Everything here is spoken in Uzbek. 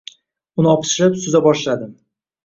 Uni opichlab, suza boshladim